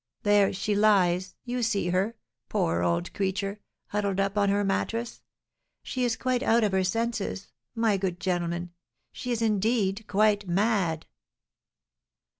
There she lies; you see her, poor old creature, huddled up on her mattress; she is quite out of her senses, my good gentlemen; she is, indeed, quite mad!"